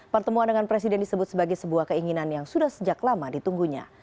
pertemuan dengan presiden disebut sebagai sebuah keinginan yang sudah sejak lama ditunggunya